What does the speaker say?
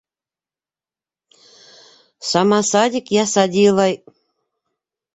Сама садик я садилай